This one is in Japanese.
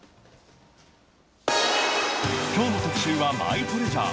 きょうの特集は、マイトレジャー。